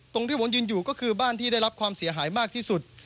ที่ผมยืนอยู่ก็คือบ้านที่ได้รับความเสียหายมากที่สุด